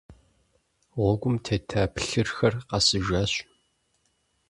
Гъуэгум тета плъырхэр къэсыжащ.